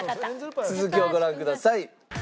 続きをご覧ください。